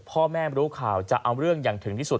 พ่อแม่รู้ข่าวจะเอาเรื่องอย่างถึงที่สุด